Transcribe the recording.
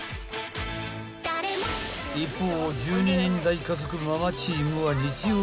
［一方］